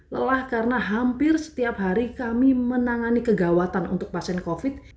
lelah karena hampir setiap hari kami menangani kegawatan untuk pasien covid